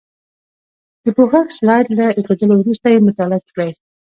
د پوښښ سلایډ له ایښودلو وروسته یې مطالعه کړئ.